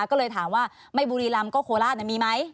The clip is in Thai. ก็เลยถามว่าไม่บุรีรำก็โคราชมีไหม